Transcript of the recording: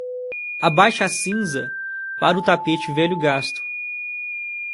Abaixe a cinza para o tapete velho gasto.